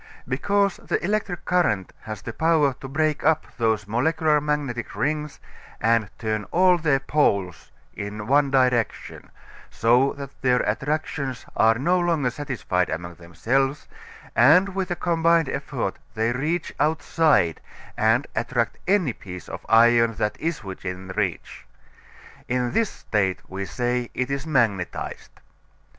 Because the electric current has the power to break up these molecular magnetic rings and turn all their like poles in one direction, so that their attractions are no longer satisfied among themselves, and with a combined effort they reach outside and attract any piece of iron that is within reach. In this state we say it is magnetized.